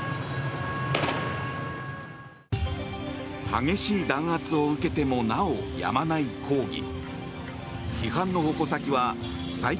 激しい弾圧を受けてもなおやまない抗議。